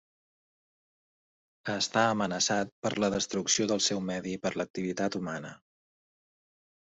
Està amenaçat per la destrucció del seu medi per l'activitat humana.